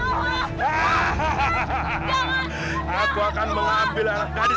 mau ikut the pages hidup prancis